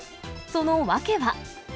その訳は。